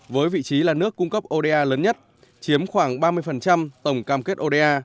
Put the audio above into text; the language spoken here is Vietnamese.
với vị trí là nước cung cấp oda lớn nhất chiếm khoảng ba mươi tổng cam kết oda